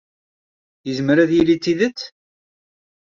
Yezmer ad yili d tidet?